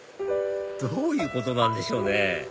どういうことなんでしょうね